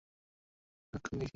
আমি সকল মানুষকে সমভাবে একই দেখি।